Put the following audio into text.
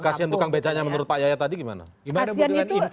kalau kasihan tukang becaknya menurut pak yaya tadi gimana